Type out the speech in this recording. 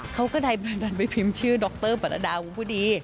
เขาก็ได้ดันไปพิมพ์ชื่อดรบัตตาวุฒุดี